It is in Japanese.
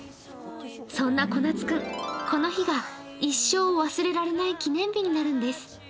そんなこなつくん、この日が一生忘れられない記念日になるんです。